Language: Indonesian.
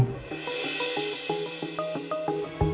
ibu elsa melaporkan ibu andin